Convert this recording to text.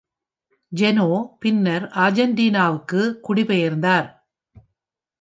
ஜெனோ பின்னர் Argentina-க்கு குடிபெயர்ந்தார்.